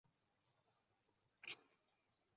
阿旺蒂尼昂。